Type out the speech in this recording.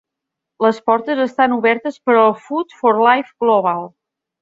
Les portes estan obertes per al Food for Life Global.